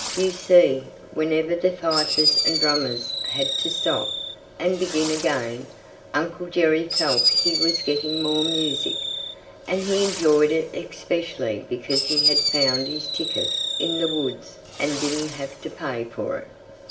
You see, whenever the fifers and drummers had to stop, and begin again, Uncle Jerry felt he was getting more music. And he enjoyed it especially because he had found his ticket in the woods and didn't have to pay for it.